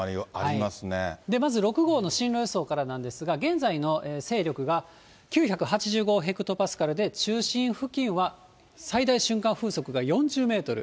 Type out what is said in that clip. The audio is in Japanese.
まず６号の進路予想からなんですが、現在の勢力が９８５ヘクトパスカルで、中心付近は最大瞬間風速が４０メートル。